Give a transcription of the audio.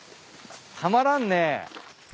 たまらんね。